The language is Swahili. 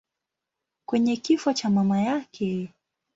kwenye kifo cha mama yake.